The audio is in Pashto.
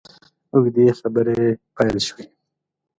اوږدې خبرې پیل شوې.